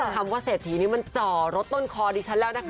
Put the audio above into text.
คำว่าเศรษฐีนี้มันจ่อรถต้นคอดิฉันแล้วนะคะ